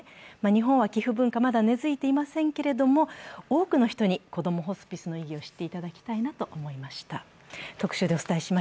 日本は寄付文化がまだ根づいていませんけれども多くの人に、こどもホスピスの意義を知っていただきたいと思いました。